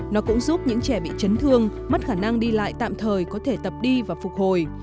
nó cũng giúp những trẻ bị chấn thương mất khả năng đi lại tạm thời có thể tập đi và phục hồi